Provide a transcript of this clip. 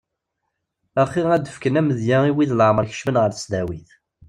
Axi ad d-ffken amedya i wid leɛmer kecmen ɣer tesdawit.